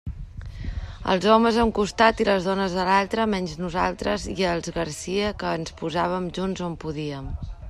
Els homes a un costat i les dones a l'altre, menys nosaltres i els Garcia, que ens posàvem junts on podíem.